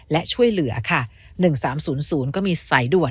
และช่วยเหลือค่ะ๑๓๐๐